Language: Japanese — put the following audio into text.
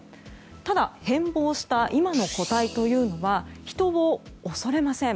ただ、変貌した今の個体というのは人を恐れません。